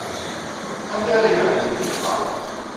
Anta ara imahlen deg yiḍ-a?